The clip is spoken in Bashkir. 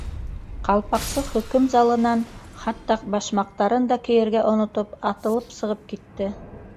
Ҡалпаҡсы хөкөм залынан, хатта башмаҡтарын да кейергә онотоп, атылып сығып китте.